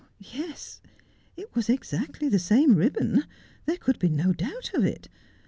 Yes, it was exactly the same ribbon ; there could be no doubt of it.